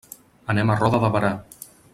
Anem a Roda de Berà.